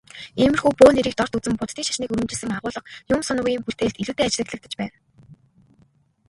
Иймэрхүү бөө нэрийг дорд үзэн Буддын шашныг өргөмжилсөн агуулга Юмсуновын бүтээлд илүүтэй ажиглагдаж байна.